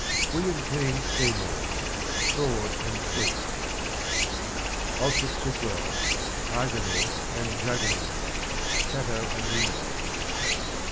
William Kean Seymour. SWORD AND FLUTE. Osbert Sitwell. ARGONAUT AND JUGGERNAUT. Chatto and Windus.